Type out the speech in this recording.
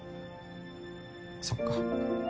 そっか。